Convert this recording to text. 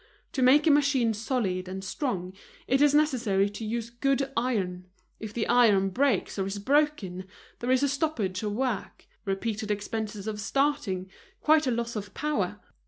To make a machine solid and strong, it is necessary to use good iron; if the iron breaks or is broken, there is a stoppage of work, repeated expenses of starting, quite a loss of power.